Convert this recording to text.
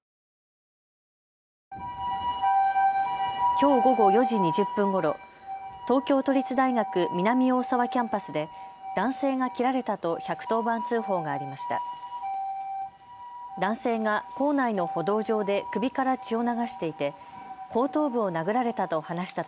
きょう午後４時２０分ごろ、東京都立大学南大沢キャンパスで男性が切られたと１１０番通報がありました。